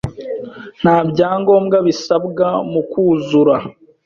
Nta bya ngombwa bisabwa mu kwuzura